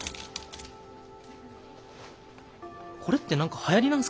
これって何かはやりなんすかね？